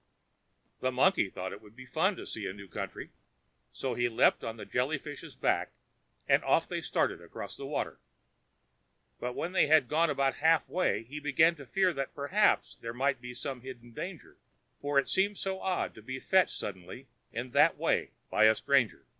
The monkey thought it would be fun to see a new country. So he leaped on to the Jelly fish's back, and off they started across the water. But when they had gone about half way, he began to fear that perhaps there might be some hidden danger, for it seemed so odd to be fetched suddenly in that way by a stranger.